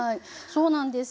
そうなんです。